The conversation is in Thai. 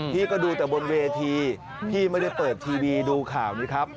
พี่ก็ดูแต่บนเวทีพี่ไม่ได้เปิดทีวีดูข่าวนี้ครับ